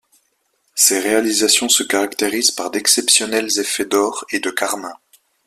Ses réalisations se caractérisent par d'exceptionnels effets d'or et de carmin.